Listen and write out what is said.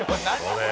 これ。